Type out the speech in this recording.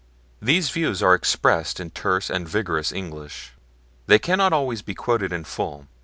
These views are expressed in terse and vigorous English; they cannot always be quoted in full.